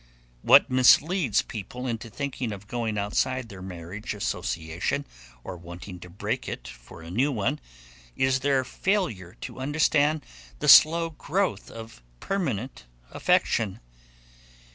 What misleads people into thinking of going outside their marriage association, or wanting to break it for a new one, is their failure to understand the slow growth of permanent affection.